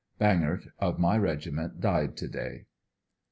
Banghart, of my Regiment, died to day.